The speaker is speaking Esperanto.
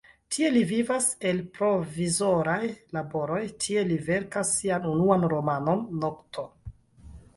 Tie li vivas el provizoraj laboroj, tie li verkas sian unuan romanon "Nokto".